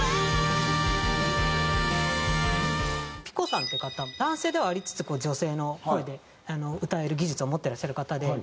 ピコさんって方男性ではありつつ女性の声で歌える技術を持ってらっしゃる方で。